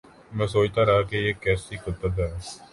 میں سوچتارہا کہ یہ کیسی کتب ہوں۔